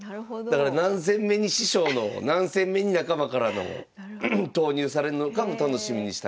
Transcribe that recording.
だから何戦目に師匠のを何戦目に仲間からのを投入されるのかも楽しみにしたいなと。